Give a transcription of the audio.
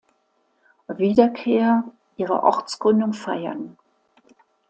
Wiederkehr ihrer Ortsgründung feiern.